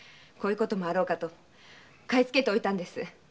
こういうこともあろうかと買いつけておいたんです。